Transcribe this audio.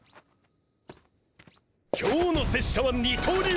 今日の拙者は二刀流だやい！